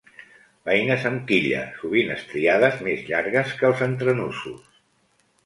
Beines amb quilla, sovint estriades, més llargues que els entrenusos.